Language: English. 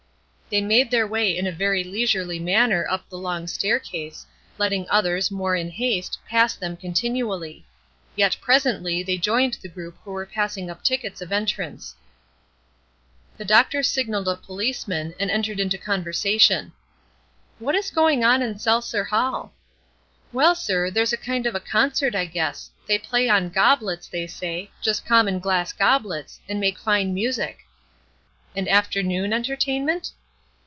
They made their way in a very leisurely manner up the long staircase, letting others, more in haste, pass them continually; yet presently they joined the group who were passing up tickets of entrance. The doctor signalled a policeman, and entered into conversation: "What is going on in Seltzer Hall?" "Well, sir, there's a kind of a concert, I guess. They play on goblets, they say just common glass goblets and make fine music." "An afternoon entertainment?"